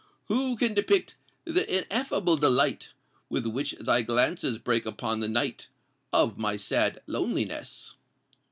Who can depict th' ineffable delight With which thy glances break upon the night Of my sad loneliness?